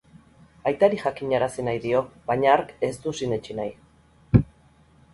Aitari jakinarazi nahi dio, baina hark ez du sinetsi nahi.